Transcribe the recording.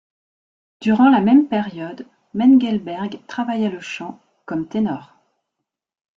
Durant la même période, Mengelberg travailla le chant, comme ténor.